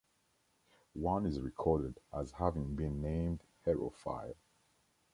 One is recorded as having been named Herophile.